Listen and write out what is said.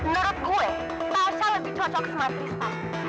menurut saya tasya lebih cocok sama tristan